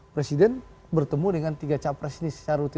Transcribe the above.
presiden bertemu dengan tiga capres ini secara rutin